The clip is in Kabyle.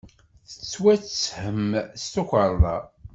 Tettwatthem s tukerḍa.